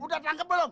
udah terangkep belum